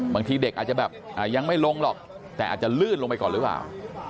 บางทีเด็กอาจจะแบบยังไม่ลงหรอกแต่อาจจะลื่นลงไปก่อนหรือเปล่า